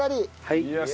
はい。